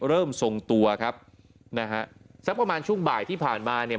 ทรงตัวครับนะฮะสักประมาณช่วงบ่ายที่ผ่านมาเนี่ย